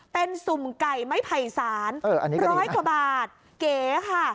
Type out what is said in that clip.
เป็นสุ่มไก่ไม้ไผ่สารร้อยกว่าบาทเก๋ค่ะ